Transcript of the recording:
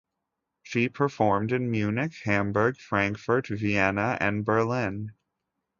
She performed in Munich, Hamburg, Frankfurt, Vienna and Berlin.